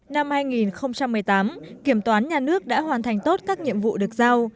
năm hai nghìn một mươi tám kiểm toán nhà nước đã hoàn thành tốt các nhiệm vụ được giao